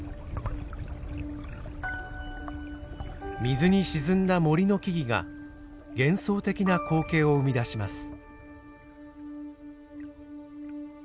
水に沈んだ森の木々が幻想的な光景を生み出します。